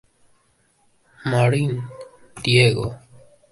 Marín, Diego.